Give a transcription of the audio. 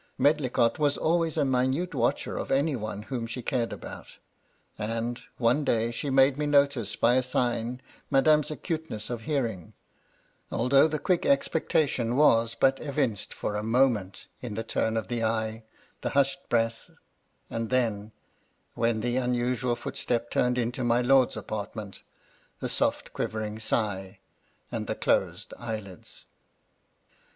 Medlicott was always a minute watcher of any one whom she cared about ; and, one day, she made me notice by a sign madame's acuteness of hearing, although the quick expectation was but evinced for a moment in the turn of the eye, the hug^d breath — and MY LADY LUDLOW. 131 then, when the unusual footstep turned into my lord's apartments, the soft quivering sigh, and the closed eyelids.